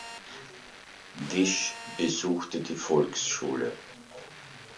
Wisch besuchte die Volksschule.